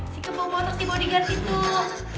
si kebobotak si bodyguard itu